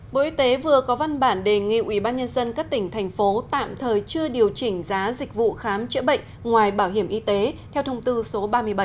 bộ y tế vừa có văn bản đề nghị ubnd các tỉnh thành phố tạm thời chưa điều chỉnh giá dịch vụ khám chữa bệnh ngoài bảo hiểm y tế theo thông tư số ba mươi bảy